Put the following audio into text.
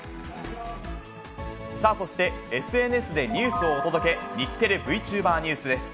さあ、そしてＳＮＳでニュースをお届け、日テレＶチューバーニュースです。